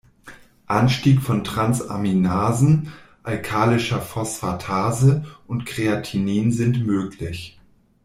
Anstieg von Transaminasen, alkalischer Phosphatase und Kreatinin sind möglich.